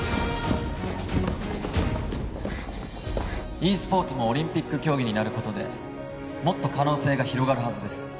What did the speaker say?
ｅスポーツもオリンピック競技になることでもっと可能性が広がるはずです